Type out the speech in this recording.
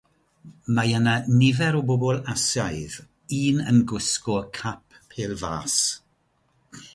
Mae yna nifer o bobl Asiaidd, un yn gwisgo cap pêl fas.